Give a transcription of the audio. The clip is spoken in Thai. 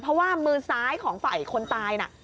เพราะว่ามือซ้ายของฝ่ายคนตายน่ะ